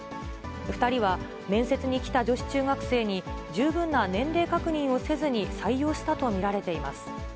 ２人は面接に来た女子中学生に、十分な年齢確認をせずに採用したと見られています。